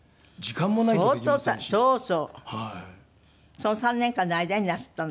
その３年間の間になすったの？